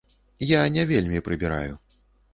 Я не вельмі прыбіраю.